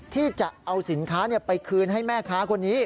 ที่จะเอาสินค้าไปคืนให้แม่ค้าคนนี้